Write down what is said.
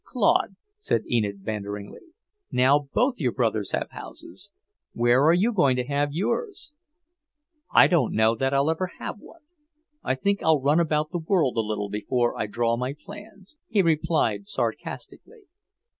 "Claude," said Enid banteringly, "now both your brothers have houses. Where are you going to have yours?" "I don't know that I'll ever have one. I think I'll run about the world a little before I draw my plans," he replied sarcastically.